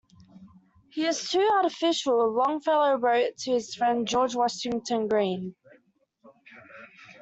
"He is too artificial", Longfellow wrote to his friend George Washington Greene.